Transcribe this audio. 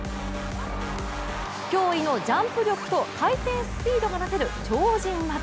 驚異のジャンプ力と回転スピードがなせる超人技。